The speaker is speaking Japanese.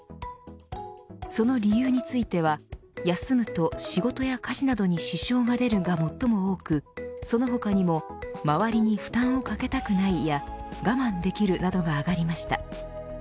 その理由については休むと仕事や家事などに支障が出るが最も多くその他にも周りに負担を掛けたくないや我慢できるなどが挙がりました。